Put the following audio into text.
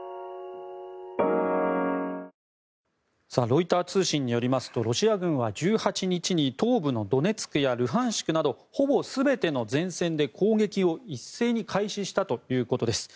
ロイター通信によりますとロシア軍は１８日に東部のドネツクやルハンシクなどほぼ全ての前線で攻撃を一斉に開始したということです。